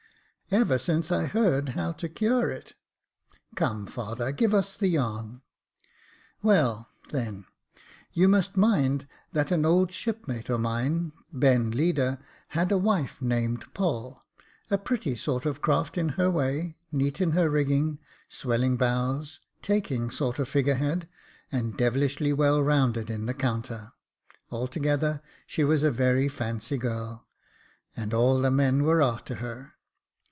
" Ever since I heard how to cure it. Come, father, give us the yarn." "Well, then, you must mind that an old shipmate o' mine, Ben Leader, had a wife named Poll — a pretty sort of craft in her way — neat in her rigging, swelling bows, taking sort of figure head, and devilish well rounded in the counter ; altogether, she was a very fancy girl, and all the men were a'ter her.